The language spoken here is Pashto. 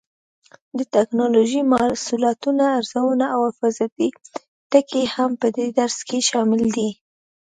د ټېکنالوجۍ محصولاتو ارزونه او حفاظتي ټکي هم په دې درس کې شامل دي.